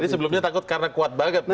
jadi sebelumnya takut karena kuat banget ya